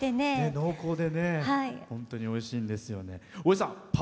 濃厚で本当においしいんですよね。